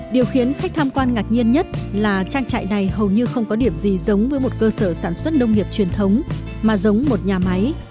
điều khiến khách tham quan ngạc nhiên nhất là trang trại này hầu như không có điểm gì giống với một cơ sở sản xuất nông nghiệp truyền thống mà giống một nhà máy